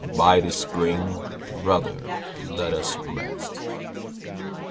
By this spring, Brother, let us rest."